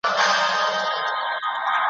هره شېبه ولګېږي زر شمعي `